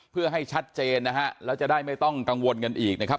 เพื่อให้ชัดเจนนะฮะแล้วจะได้ไม่ต้องกังวลกันอีกนะครับ